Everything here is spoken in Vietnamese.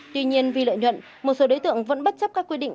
tuy nhiên vì lợi nhuận một số đối tượng vẫn bất chấp các quy định